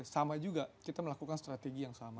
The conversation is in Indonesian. sama juga kita melakukan strategi yang sama